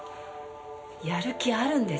やる気あるんですか？